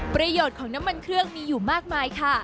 ประโยชน์ของน้ำมันเครื่องมีอยู่มากมายค่ะ